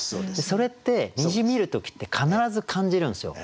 それって虹見る時って必ず感じるんですよ。